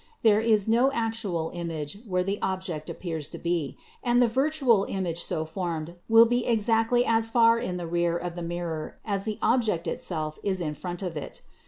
There is no actual image where the object appears to be, and the virtual image so formed will be exactly as far in the rear of the»mirror as the object itself is in front of it.